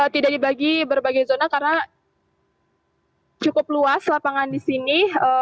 tidak dibagi berbagai zona karena cukup luas lapangan di sini